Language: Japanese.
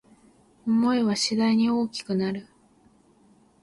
想いは次第に大きくなる